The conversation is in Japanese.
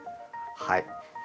はい。